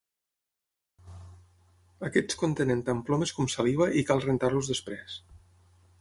Aquests contenen tant plomes com saliva i cal rentar-los després.